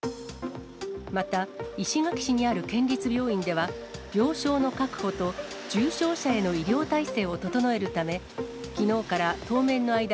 また、石垣市にある県立病院では、病床の確保と重症者への医療体制を整えるため、きのうから当面の間、